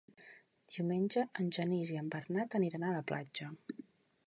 Diumenge en Genís i en Bernat aniran a la platja.